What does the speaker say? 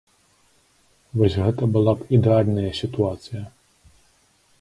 Вось гэта была б ідэальная сітуацыя!